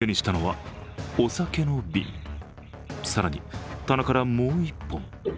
すると手にしたのは、お酒の瓶更に棚から、もう１本。